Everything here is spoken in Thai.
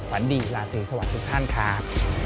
ฝันดีลาตรีสวัสดีทุกท่านครับ